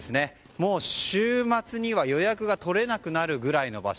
もう週末には、予約が取れなくなるぐらいの場所。